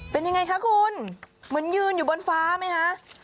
เป็นยังไงคะคุณเหมือนยืนอยู่บนฟ้าไหมคะ